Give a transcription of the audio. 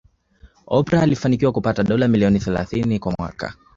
Oprah alifanikiwa kupata dola milioni thelathini kwa mwaka